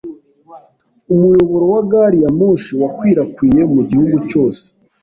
Umuyoboro wa gari ya moshi wakwirakwiriye mu gihugu cyose.